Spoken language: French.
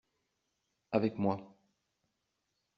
Avec moi.